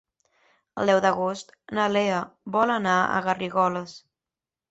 El deu d'agost na Lea vol anar a Garrigoles.